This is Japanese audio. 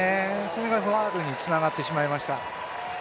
それがファウルがつながってしまいました。